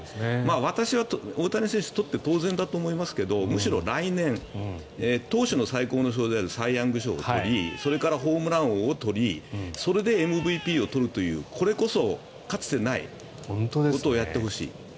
私は大谷選手が取って当然だと思いますけどむしろ来年投手の最高の賞であるサイ・ヤング賞を取りそれからホームラン王を取りそれでＭＶＰを取るというこれこそかつてないことをやってほしい。